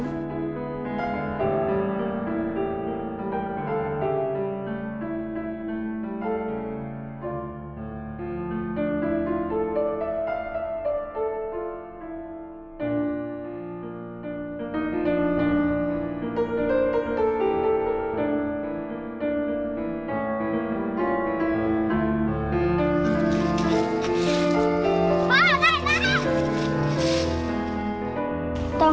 พ่อได้แล้ว